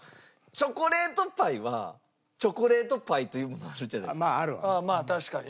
チョコレートパイはチョコレートパイというものがあるじゃないですか。